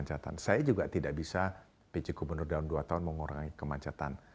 saya juga tidak bisa pc gubernur dalam dua tahun mengurangi kemacetan